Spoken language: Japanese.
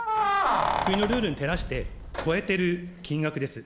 国のルールに照らして、超えてる金額です。